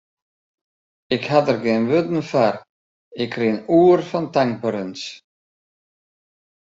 Ik ha der gjin wurden foar, ik rin oer fan tankberens.